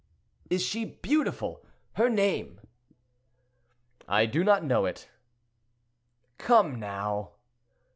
"Is she beautiful? Her name?" "I do not know it." "Come, now."